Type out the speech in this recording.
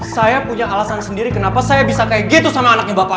saya punya alasan sendiri kenapa saya bisa kayak gitu sama anaknya bapak